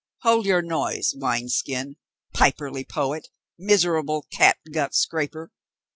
hold your noise, wineskin, piperly poet, miserable catgut scraper!"